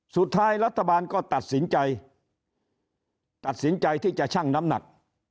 สุดท้ายรัฐบาลก็ตัดสินใจตัดสินใจที่จะชั่งน้ำหนัก